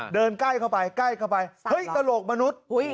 เดินใกล้เข้าไปใกล้เข้าไปเฮ้ยกระโหลกมนุษย์